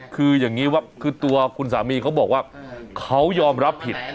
คืออย่างนี้ว่าคือตัวคุณสามีเขาบอกว่าเขายอมรับผิด